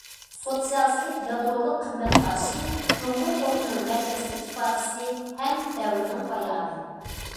سوتسىيالىستىك يادرولۇق قىممەت قارىشى جۇڭگو روھىنىڭ مەركەزلىك ئىپادىسى ھەم دەۋرنىڭ بايانى.